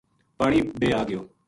پانی بے آگیو